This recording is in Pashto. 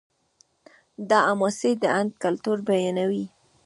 دا حماسې د هند کلتور بیانوي.